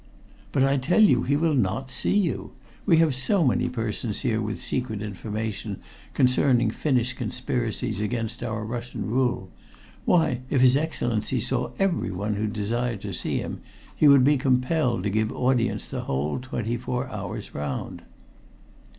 "But I tell you he will not see you. We have so many persons here with secret information concerning Finnish conspiracies against our Russian rule. Why, if his Excellency saw everyone who desired to see him, he would be compelled to give audience the whole twenty four hours round."